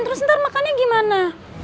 terus ntar makannya gimana